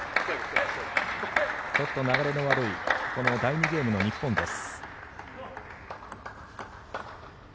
ちょっと流れの悪いこの第２ゲームの日本です。